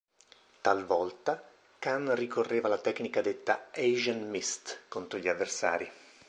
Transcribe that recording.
Talvolta, Khan ricorreva alla tecnica detta "Asian Mist" contro gli avversari.